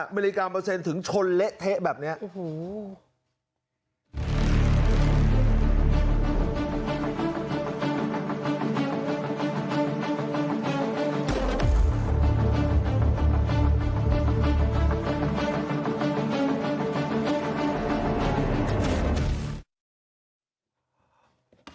มิลลิกรัมเปอร์เซ็นต์ถึงชนเละเทะแบบนี้โอ้โห